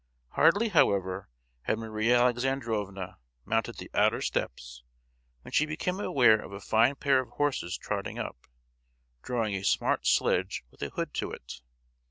Hardly, however, had Maria Alexandrovna mounted the outer steps when she became aware of a fine pair of horses trotting up—drawing a smart sledge with a hood to it.